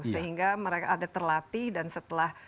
sehingga mereka ada terlatih dan setelah